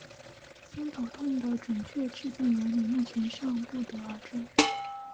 偏头痛的准确致病原理目前尚不得而知。